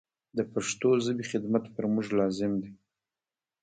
د پښتو ژبي خدمت پر موږ لازم دی.